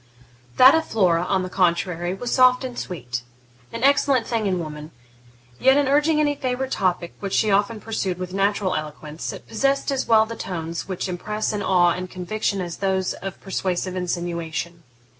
That of Flora, on the contrary, was soft and sweet 'an excellent thing in woman'; yet, in urging any favourite topic, which she often pursued with natural eloquence, it possessed as well the tones which impress awe and conviction as those of persuasive insinuation.